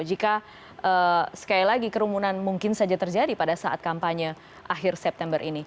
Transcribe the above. jika sekali lagi kerumunan mungkin saja terjadi pada saat kampanye akhir september ini